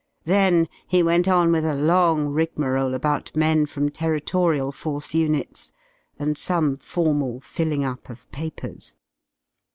Then he went on with a long rigmarole about men from Territorial Force units, and some formal filling up of papers.